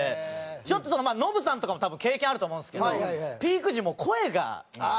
ちょっとノブさんとかも多分経験あると思うんですけどピーク時もう声が出なくなっちゃって。